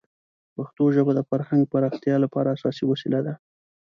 پښتو ژبه د فرهنګ پراختیا لپاره اساسي وسیله ده.